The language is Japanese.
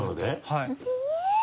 はい。